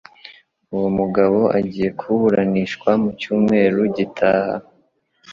Uwo mugabo agiye kuburanishwa mu cyumweru gitaha.